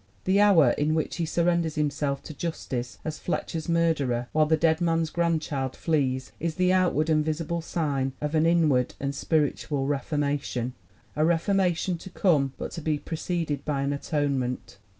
The hour in which he surrenders himself to justice as Fletcher's murderer, while the dead man's grandchild flees, is the outward and visible sign of an inward and spirit ual reformation, a reformation to come but to be pre ceded by an atonement.